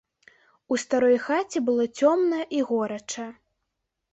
У старой хаце было цёмна і горача.